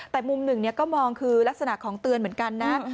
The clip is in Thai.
แต่มุมหนึ่งก็มองคือลักษณะของเตือนเหมือนกันนะ